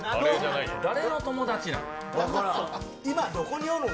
誰の友達なん？